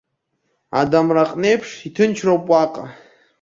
Адамра аҟнеиԥш, иҭынчроуп уаҟа.